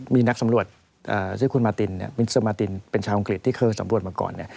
มีนักสำรวจชื่อคุณมาตินเนี่ยมินเซอร์มาตินเป็นชาวอังกฤษที่เคยสำรวจมาก่อนเนี่ย